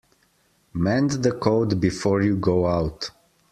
Mend the coat before you go out.